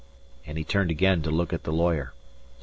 And he turned again to look at the lawyer.